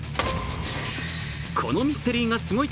「このミステリーがすごい！」